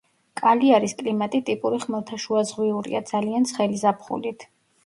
კალიარის კლიმატი ტიპური ხმელთაშუაზღვიურია, ძალიან ცხელი ზაფხულით.